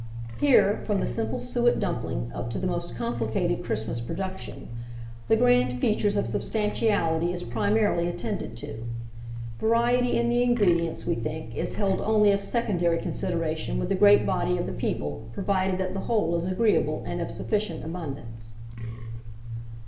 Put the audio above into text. Here, from the simple suet dumpling up to the most complicated Christmas production, the grand feature of substantiality is primarily attended to. Variety in the ingredients, we think, is held only of secondary consideration with the great body of the people, provided that the whole is agreeable and of sufficient abundance.